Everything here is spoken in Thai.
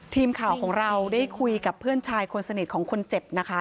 ทีมข่าวของเราได้คุยกับเพื่อนชายคนสนิทของคนเจ็บนะคะ